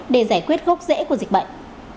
để giải quyết gốc rễ của dịch bệnh